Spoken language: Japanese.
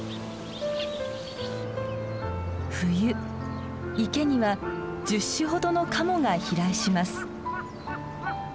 冬池には１０種ほどのカモが飛来します。